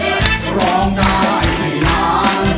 เพราะร้องได้ให้ร้าน